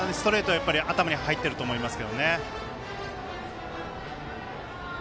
やっぱり頭に入っていると思います。